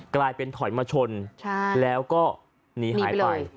กลายเป็นถอยมาชนแล้วก็หนีหายไป